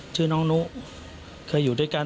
ชื่อน้องนุเคยอยู่ด้วยกัน